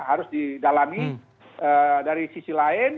harus didalami dari sisi lain